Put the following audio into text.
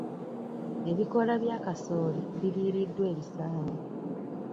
Ebikoola bya kasooli biriiriddwa ebisaanyi.